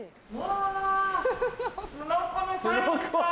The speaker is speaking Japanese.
うわ！